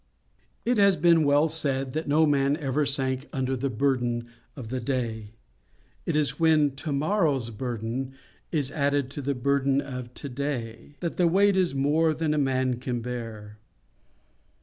"It has been well said that no man ever sank under the burden of the day. It is when to morrow's burden is added to the burden of to day, that the weight is more than a man can bear.